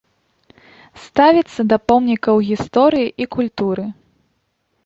Ставіцца да помнікаў гісторыі і культуры.